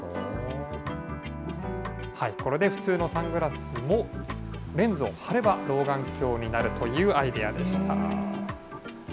これで普通のサングラスもレンズを貼れば老眼鏡になるというアイデアでした。